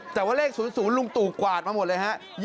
แต่ว่าเลข๐๐ลุงตู่กวาดมาหมดเลยฮะ